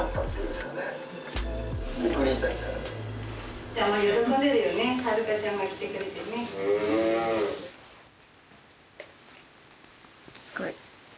すごい。